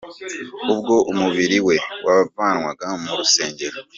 Ubwo umubiri we wavanwaga mu rusengero .